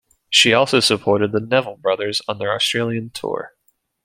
She also supported the Neville Brothers on their Australian tour.